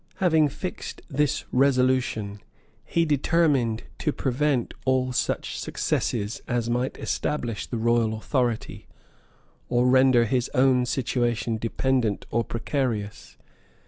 Having fixed this resolution, he determined to prevent all such successes as might establish the royal authority, or render his own situation dependent or precarious.